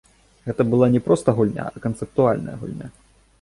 Гэта была не проста гульня, а канцэптуальная гульня.